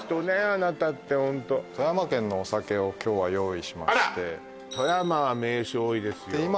あなたってホント富山県のお酒を今日は用意しまして富山は銘酒多いですよで